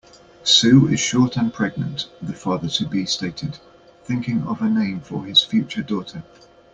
"Sue is short and pregnant", the father-to-be stated, thinking of a name for his future daughter.